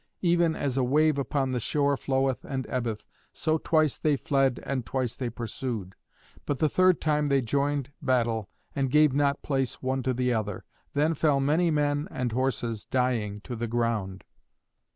Even as a wave upon the shore floweth and ebbeth, so twice they fled and twice they pursued. But the third time they joined battle, and gave not place one to the other. Then fell many men and horses dying to the ground.